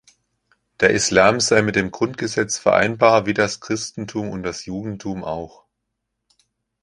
Der Islam sei mit dem Grundgesetz vereinbar wie das Christentum und das Judentum auch.